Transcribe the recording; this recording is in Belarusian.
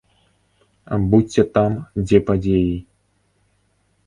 Будзьце там, дзе падзеі.